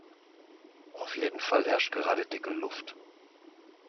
Auf jeden Fall herrscht gerade dicke Luft.